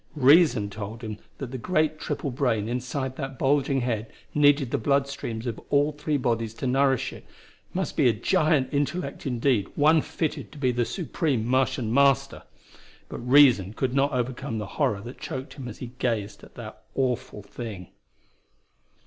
Reason told him that the great triple brain inside that bulging head needed the bloodstreams of all three bodies to nourish it, must be a giant intellect indeed, one fitted to be the supreme Martian Master. But reason could not overcome the horror that choked him as he gazed at the awful thing.